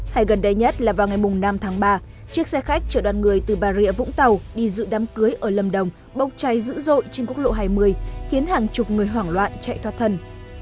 hay gần đây nhất là vào ngày năm tháng ba chiếc xe khách chở đoàn người từ bà rịa vũng tàu đi dự đám cưới ở lâm đồng bốc cháy dữ dội trên quốc lộ hai mươi khiến hàng chục người hoảng loạn chạy thoát thân